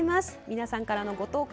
皆さんからのご投稿